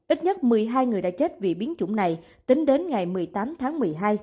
ít nhất một mươi hai người đã chết vì biến chủng này tính đến ngày một mươi tám tháng một mươi hai